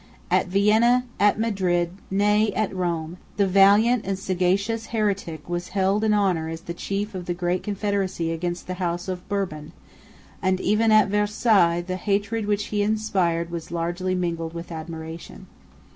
At Vienna, at Madrid, nay, at Rome, the valiant and sagacious heretic was held in honour as the chief of the great confederacy against the House of Bourbon; and even at Versailles the hatred which he inspired was largely mingled with admiration.